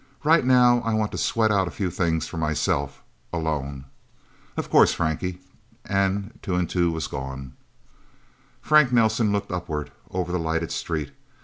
Right now I want to sweat out a few things for myself alone." "Of course, Frankie." And Two and Two was gone. Frank Nelsen looked upward, over the lighted street.